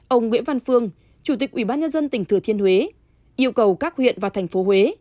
ông nguyễn văn phương chủ tịch ủy ban nhân dân tỉnh thừa thiên huế yêu cầu các huyện và thành phố huế